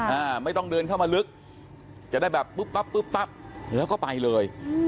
อ่าไม่ต้องเดินเข้ามาลึกจะได้แบบปุ๊บปั๊บปุ๊บปั๊บแล้วก็ไปเลยอืม